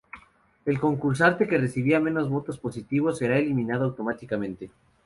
El concursante que reciba menos votos positivos, será eliminado automáticamente.